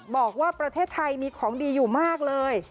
บอกว่าประเทศไทยมีของดีอยู่มากเลย